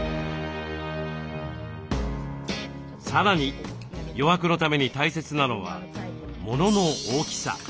さらに余白のために大切なのはモノの大きさ。